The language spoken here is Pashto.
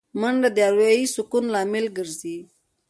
منډه د اروايي سکون لامل ګرځي